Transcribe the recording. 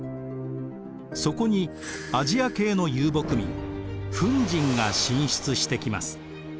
そこにアジア系の遊牧民フン人が進出してきます。